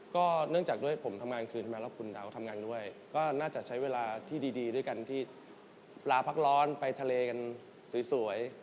ก็เนื่องจากด้วยผมทำงานคืนมาแล้วคุณดาวทำงานด้วยก็น่าจะใช้เวลาที่ดีด้วยกันที่ลาพักร้อนไปทะเลกันสวย